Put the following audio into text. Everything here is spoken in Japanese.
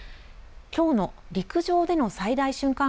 きょうの陸上での最大瞬間